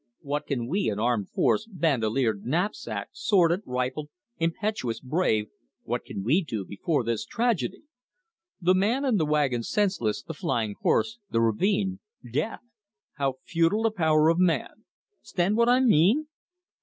What can we, an armed force, bandoleered, knapsacked, sworded, rifled, impetuous, brave, what can we do before this tragedy? The man in the wagon senseless, the flying horse, the ravine, death! How futile the power of man 'stand what I mean?"